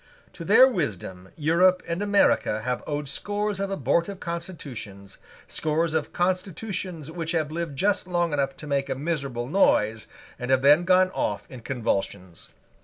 To their wisdom Europe and America have owed scores of abortive constitutions, scores of constitutions which have lived just long enough to make a miserable noise, and have then gone off in convulsions.